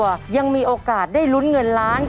ทุกครอบครัวยังมีโอกาสได้รุ่นเงินล้าน